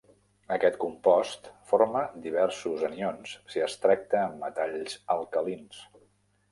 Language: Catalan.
Aquest compost forma diversos anions si es tracta amb metalls alcalins.